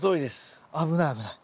危ない危ない。